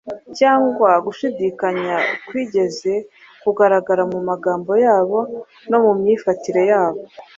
cyangwa gushidikanya kwigeze kugaragara mu magambo yabo no mu myifatire yabo.